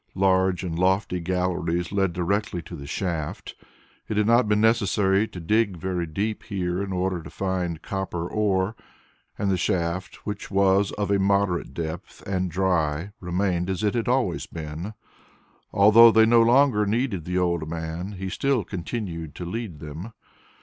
Large and lofty galleries led directly to the shaft; it had not been necessary to dig very deep here in order to find copper ore, and the shaft, which was of a moderate depth and dry, remained as it had always been. Although they no longer needed the old man, he still continued to lead them.